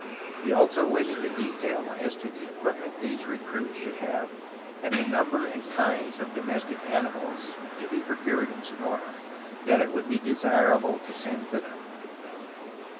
He also went into detail as to the equipment these recruits should have and the number and kinds of domestic animals (to be procured in Sonora) that it would be desirable to send with them.